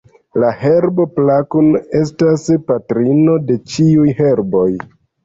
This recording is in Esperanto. La herbo Plakun estas patrino de ĉiuj herboj.